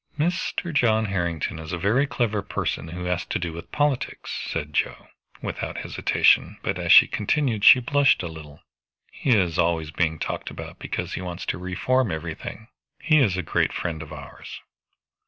"Mr. John Harrington is a very clever person who has to do with politics," said Joe, without hesitation, but as she continued she blushed a little. "He is always being talked about because he wants to reform everything. He is a great friend of ours."